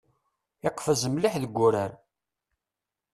Iqfez mliḥ deg urar.